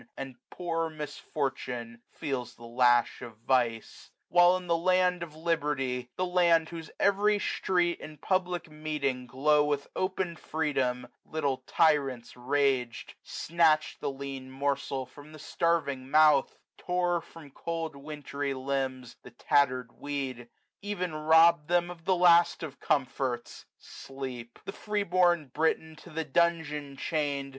And poor misfortune feels the lash of vice. While in the land of liberty, the land 365 Whose every street and public meeting glow With open freedom, little tyrants rag'd; Snatch'd the lean morsel from the starving mouth ; Tore from cold wintry limbs the tatter *d weed; Ev*n robb'd them of the last of comforts, sleep; 370 The free bom Briton to the dungeon chain'd.